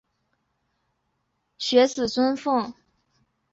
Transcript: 同受士人学子尊奉。